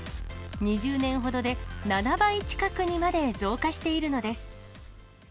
２０年ほどで７倍近くにまで増加しているのです。